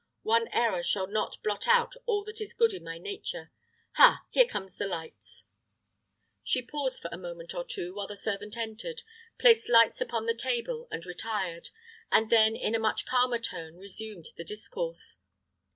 One error shall not blot out all that is good in my nature. Ha! here come the lights " She paused for a moment or two, while the servant entered, placed lights upon the table, and retired; and then, in a much calmer tone, resumed the discourse.